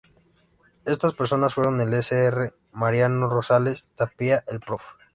Estas personas fueron el Sr. Mariano Rosales Tapia, el Prof.